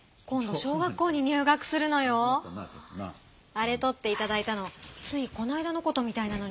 あれとっていただいたのついこないだのことみたいなのにね。